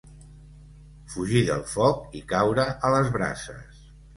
Fugir del foc i caure a les brases.